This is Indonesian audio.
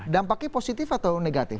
dampaknya positif atau negatif